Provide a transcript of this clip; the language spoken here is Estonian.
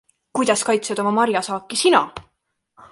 Kuidas kaitsed oma marjasaaki sina?